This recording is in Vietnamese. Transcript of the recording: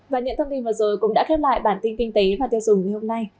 và những thông tin vừa rồi cũng đã khép lại bản tin kinh tế và tiêu dùng ngày hôm nay